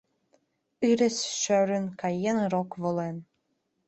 Ырес шӧрын каен, рок волен.